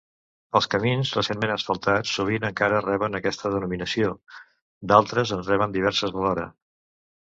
Els camins recentment asfaltats sovint encara reben aquesta denominació; d'altres, en reben diversos alhora.